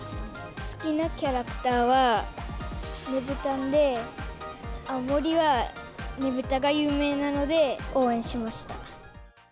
好きなキャラクターはねぶたんで、青森はねぶたが有名なので、応援しました。